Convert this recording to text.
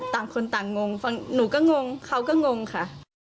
ต่างคนต่างงงหนูก็งงเขาก็งงค่ะ